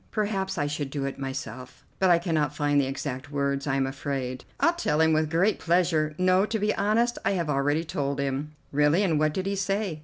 Perhaps I should do it myself, but I cannot find the exact words, I am afraid." "I'll tell him with great pleasure. No, to be honest, I have already told him." "Really, and what did he say?"